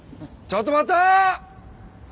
ちょっと待った！